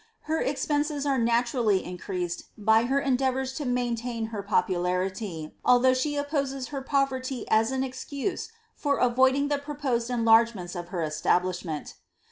Her expenses are naturally increased by her endeavours to maintain her popularity, although she opposes her poverty as an excuse for avoiding the proposed enlarge ments of her establishment."